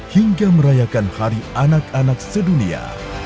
hingga merayakan hari anak anak sedunia